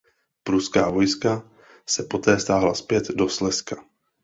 Pruská vojska se poté stáhla zpět do Slezska.